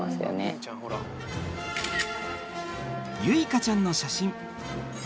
結花ちゃんの写真。